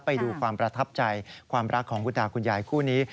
ไปดูความประทับใจความรักของคุณตาคุณยายคู่นี้